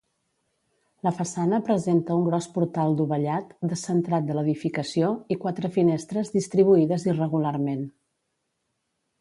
La façana presenta un gros portal dovellat, descentrat de l'edificació, i quatre finestres distribuïdes irregularment.